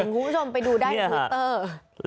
คุณผู้ชมไปดูได้ในทวิตเตอร์